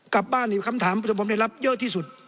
กลับบ้านคำถามที่ผมได้รับเยอะที่สุด